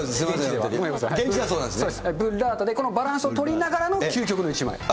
ブッラータでバランスを取りながらの究極の一枚。